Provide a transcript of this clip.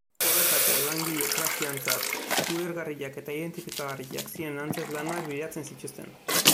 Horretarako, langile-klasearentzat ulergarriak eta identifikagarriak ziren antzezlanak bilatzen zituzten.